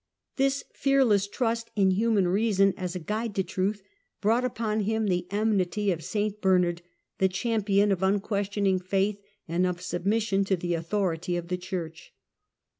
This fearless trust in human reason as a guide to truth brought upon him the enmity of St Bernard, the champion of unquestioning faith and of submission to the authority of the Church.